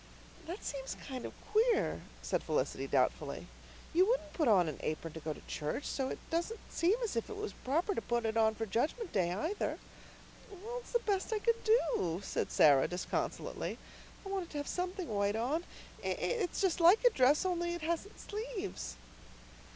"That seems kind of queer," said Felicity doubtfully. "You wouldn't put on an apron to go to church, and so it doesn't seem as if it was proper to put it on for Judgment Day either." "Well, it's the best I could do," said Sara disconsolately. "I wanted to have something white on. It's just like a dress only it hasn't sleeves."